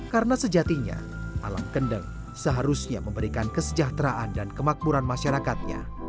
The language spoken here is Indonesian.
karena sejatinya alam kendeng seharusnya memberikan kesejahteraan dan kemakmuran masyarakatnya